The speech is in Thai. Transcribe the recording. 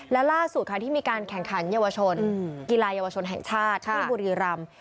และล่าสุดที่มีการแข่งขันกีฬายกน้ำหนักเยาวชนแห่งชาติในบุรีรำ